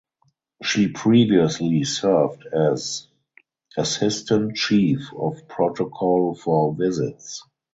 She previously served as Assistant Chief of Protocol for Visits.